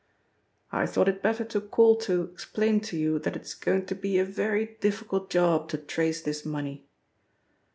I thought it better to call to explain to you that it is going to be a very difficult job to trace this money.